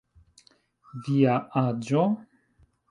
Via aĝo?